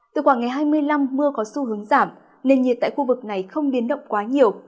từ khoảng ngày hai mươi năm mưa có xu hướng giảm nền nhiệt tại khu vực này không biến động quá nhiều